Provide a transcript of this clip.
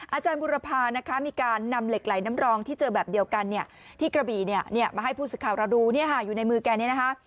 อาจารย์บุรพานะคะมีการนำเหล็กไหลน้ำรองที่เจอแบบเดียวกันเนี่ยที่กระบี่เนี่ยมาให้ผู้สื่อข่าวเราดูอยู่ในมือแกเนี่ยนะคะ